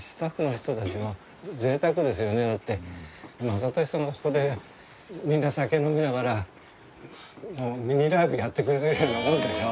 だって雅俊さんがあそこでみんな酒飲みながらミニライブやってくれてるようなものでしょ。